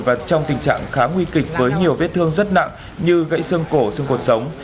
và trong tình trạng khá nguy kịch với nhiều vết thương rất nặng như gãy sương cổ sương cột sống